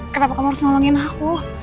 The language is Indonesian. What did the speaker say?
kenapa kamu harus ngomongin aku